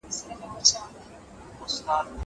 زه هره ورځ کتابتوننۍ سره وخت تېرووم!!